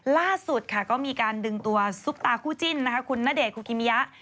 ล่าสุดค่ะก็มีการดึงตัวซุปตาคู่จิ้นนะคะคุณณเดชนคุกิมิยะ